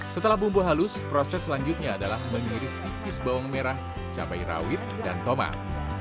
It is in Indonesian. setelah bumbu halus proses selanjutnya adalah mengiris tipis bawang merah cabai rawit dan tomat